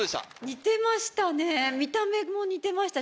似てましたね！